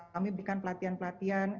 kami berikan pelatihan pelatihan